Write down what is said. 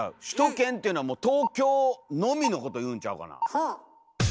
首都圏っていうのは東京のみのことをいうんちゃうかな。